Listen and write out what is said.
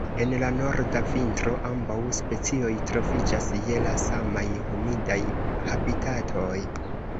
En la norda vintro, ambaŭ specioj troviĝas je la samaj humidaj habitatoj.